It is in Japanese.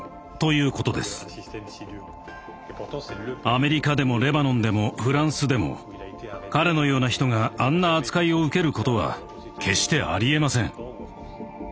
アメリカでもレバノンでもフランスでも彼のような人があんな扱いを受けることは決してありえません。